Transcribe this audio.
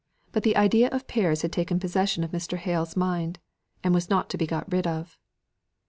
But the idea of pears had taken possession of Mr. Hale's mind, and was not to be got rid of.